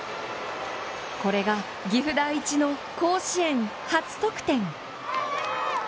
これが岐阜第一の甲子園初得点。